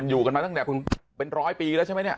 อยู่กันมาตั้งแต่เป็นร้อยปีแล้วใช่ไหมเนี่ย